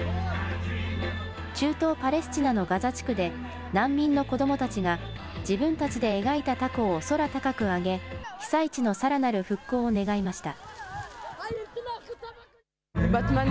中東パレスチナのガザ地区で、難民の子どもたちが自分たちで描いたたこを空高く揚げ、被災地のさらなる復興を願いました。